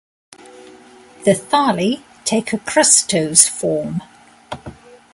The thalli take a crustose form.